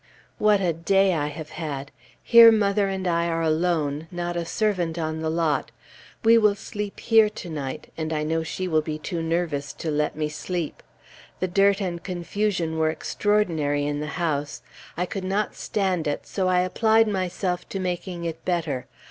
What a day I have had! Here mother and I are alone, not a servant on the lot. We will sleep here to night, and I know she will be too nervous to let me sleep. The dirt and confusion were extraordinary in the house. I could not stand it, so I applied myself to making it better.